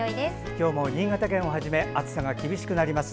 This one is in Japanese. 今日も新潟県をはじめ暑さが厳しくなります。